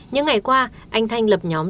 những ngày qua anh thanh lập nhóm